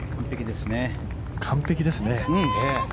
完璧ですね。